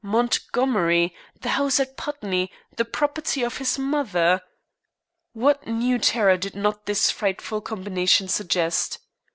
Montgomery! The house at Putney the property of his mother! What new terror did not this frightful combination suggest?